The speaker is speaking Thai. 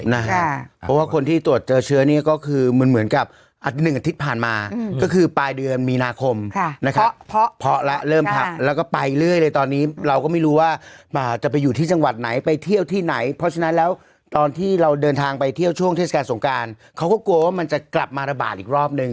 เพราะว่าคนที่ตรวจเจอเชื้อเนี่ยก็คือมันเหมือนกับ๑อาทิตย์ผ่านมาก็คือปลายเดือนมีนาคมนะครับเพราะแล้วเริ่มพักแล้วก็ไปเรื่อยเลยตอนนี้เราก็ไม่รู้ว่าจะไปอยู่ที่จังหวัดไหนไปเที่ยวที่ไหนเพราะฉะนั้นแล้วตอนที่เราเดินทางไปเที่ยวช่วงเทศกาลสงการเขาก็กลัวว่ามันจะกลับมาระบาดอีกรอบนึง